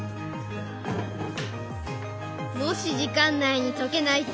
もし時間内に解けないと。